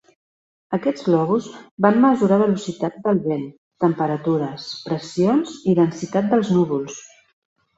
Aquests globus van mesurar velocitats del vent, temperatures, pressions i densitat dels núvols.